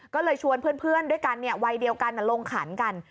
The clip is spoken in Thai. ก็เลยชวนเพื่อนด้วยกันวัยเดียวกันลงขันกัน